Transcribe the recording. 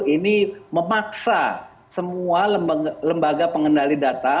ini memaksa semua lembaga pengendali data